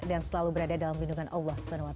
dan selalu berada dalam lindungan allah swt